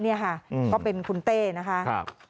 นี่ค่ะก็เป็นคุณเต้นะคะ